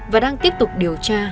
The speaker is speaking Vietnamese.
và đang tiếp tục điều tra